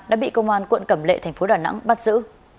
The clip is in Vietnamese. đã bị công an quận cẩm lệ thành phố đà nẵng bắt giữ